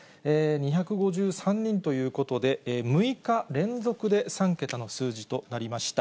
２５３人ということで、６日連続で３桁の数字となりました。